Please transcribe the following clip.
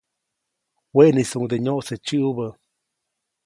Weʼniʼisuŋde nyoʼse tsiʼubä.